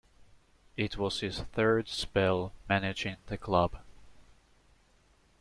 It was his third spell managing the club.